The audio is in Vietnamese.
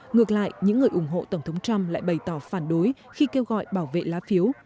ngược lại những người ủng hộ tổng thống trump lại bày tỏ phản đối khi kêu gọi bảo vệ lá phiếu